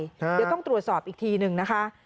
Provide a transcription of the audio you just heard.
เดี๋ยวต้องตรวจสอบอีกทีหนึ่งนะคะ